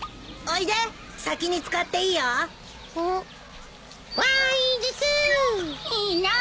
いいな。